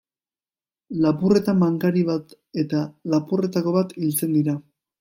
Lapurretan bankari bat eta lapurretako bat hiltzen dira.